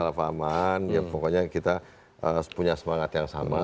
salah pahaman ya pokoknya kita punya semangat yang sama